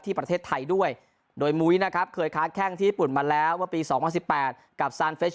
ที่ประเทศไทยด้วยโดยมุ้ยนะครับเคยค้าแข้งที่ญี่ปุ่นมาแล้วว่าปีสองพันสิบแปด